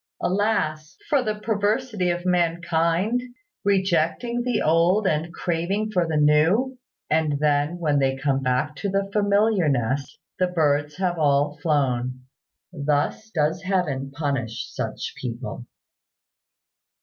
Alas! for the perversity of mankind, rejecting the old and craving for the new? And then when they come back to the familiar nest, the birds have all flown. Thus does heaven punish such people.